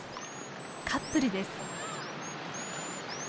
カップルです。